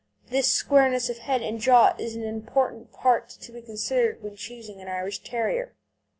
This squareness of head and jaw is an important point to be considered when choosing an Irish Terrier.